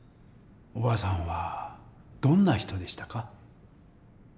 おばあさんはどんな人でしたか？